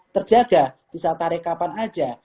terjaga bisa tarik kapan aja